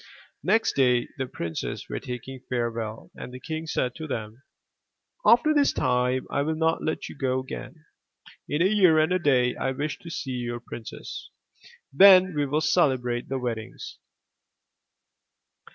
Next day the princes were taking farewell, and the king said to them: After this time I will not let you go again. In a year and a day I wish to see your princesses; then we will celebrate the weddings.''